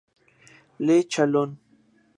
Le Chalon